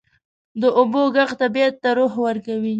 د اوبو ږغ طبیعت ته روح ورکوي.